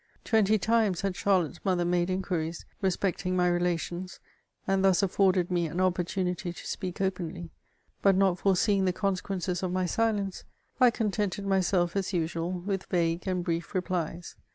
Twenty times had Charlotte's mother made inquiries respecting my relations^ and thus afforded me an opportunity to speak openly ; but not foreseeing the consequences of my silence, I contented myself, as usual, with vague and brief repUes.